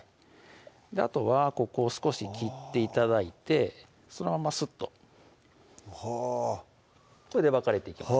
あとはここを少し切って頂いてそのまますっとはぁこれで分かれていきます